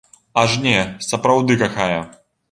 Аж не, сапраўды кахае.